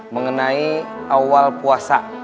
mengenai awal puasa